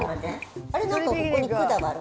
あれ、なんかここに管がある。